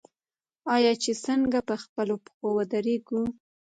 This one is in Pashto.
آیا چې څنګه په خپلو پښو ودریږو؟